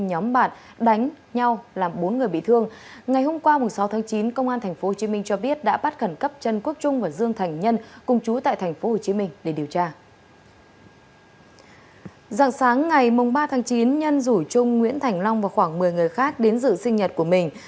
hôm nay mông ba tháng chín nhân rủ trung nguyễn thành long và khoảng một mươi người khác đến dự sinh nhật của mình